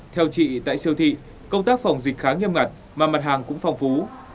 theo chị tại siêu thị công tác phòng dịch khá nghiêm ngặt mà mặt hàng cũng phong phú